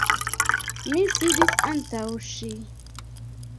Mi sidis antaŭ ŝi.